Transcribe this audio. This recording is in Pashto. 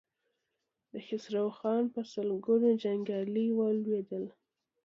د خسرو خان په سلګونو جنګيالي ولوېدل.